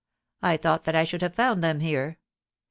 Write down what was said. I thought that I should have found them here.